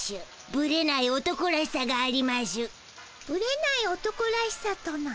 ぶれない男らしさとな。